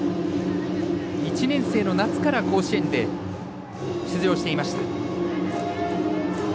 １年生の夏から甲子園で出場していました。